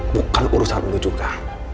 bukan urusan lo juga